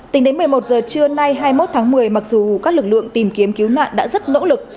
tính đến một mươi một giờ trưa nay hai mươi một tháng một mươi mặc dù các lực lượng tìm kiếm cứu nạn đã rất nỗ lực